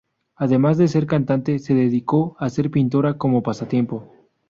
Además de ser cantante, se dedicó a ser pintora como pasatiempo.